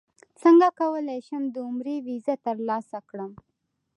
څنګه کولی شم د عمرې ویزه ترلاسه کړم